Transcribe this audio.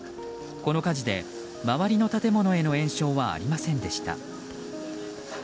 この火事で周りの建物への延焼はありませんでした。